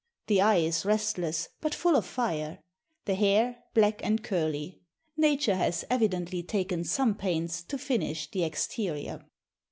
The eye is restless, but full of fire; the hair black and curly. Nature has evidently taken some pains to finish the exterior."